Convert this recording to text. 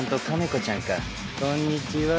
こんにちは。